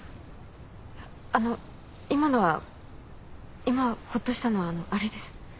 あの今のは今ほっとしたのはあのあれです。